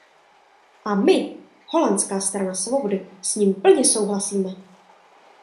A my, holandská Strana svobody, s ním plně souhlasíme.